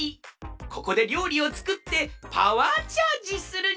ここでりょうりをつくってパワーチャージするんじゃ！